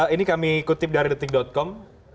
ini kami kutip dari detik com